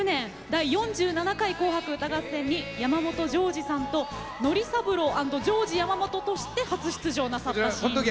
第４７回「紅白歌合戦」に山本譲二さんと憲三郎＆ジョージ山本として初出場なさったシーンです。